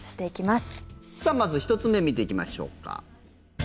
まず１つ目見ていきましょうか。